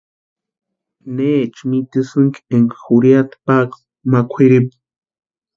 ¿Necha mitisïnki énka jurhiata paaka ma kwʼiripu?